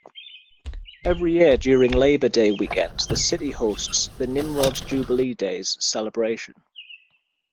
Every year, during Labor Day weekend, the city hosts "The Nimrod Jubilee Days" celebration.